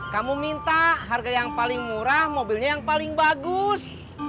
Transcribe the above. kamu minta harga yang paling murah mobilnya yang paling bagus